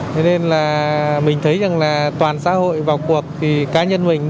thế nên là mình thấy rằng là toàn xã hội vào cuộc thì cá nhân mình